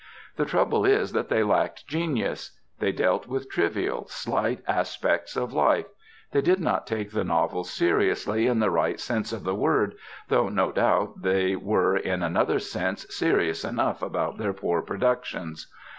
The trouble is that they lacked genius; they dealt with trivial, slight aspects of life; they did not take the novel seriously in the right sense of the word, though no doubt they were in another sense serious enough about their poor productions.